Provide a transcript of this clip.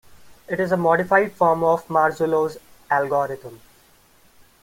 It is a modified form of Marzullo's algorithm.